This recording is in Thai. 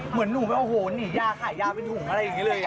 เหมือนหนูแบบโอ้โหหนียาขายยาเป็นถุงอะไรอย่างนี้เลย